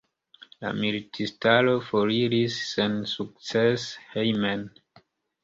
La militistaro foriris sensukcese hejmen.